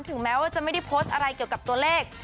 ถึงแม้ว่าจะไม่ได้โพสต์อะไรเกี่ยวกับตัวเลข